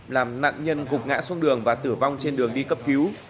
làm nạn nhân gục ngã xuống đường và tử vong trên đường đi cấp cứu